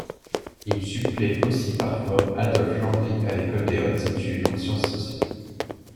Il supplée aussi parfois Adolphe Landry à l’École des hautes études en sciences sociales.